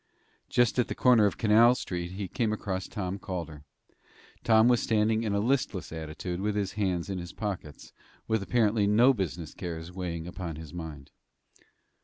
Just at the corner of Canal Street he came across Tom Calder. Tom was standing in a listless attitude with his hands in his pockets, with apparently no business cares weighing upon his mind.